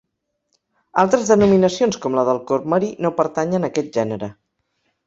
Altres denominacions com la del corb marí no pertanyen a aquest gènere.